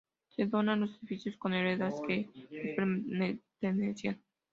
Se donan los edificios con las heredades que les pertenecían.